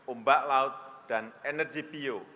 umbak laut dan energi bio